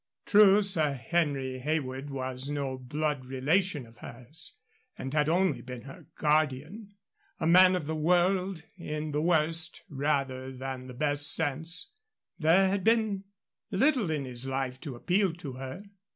True, Sir Henry Heywood was no blood relation of hers, and had only been her guardian. A man of the world in the worst rather than the better sense, there had been little in his life to appeal to her.